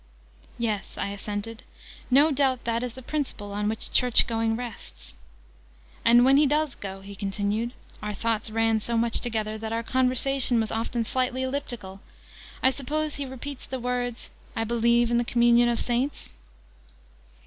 "Yes," I assented: "no doubt that is the principle on which church going rests." "And when he does go," he continued (our thoughts ran so much together, that our conversation was often slightly elliptical), "I suppose he repeats the words 'I believe in the Communion of Saints'?"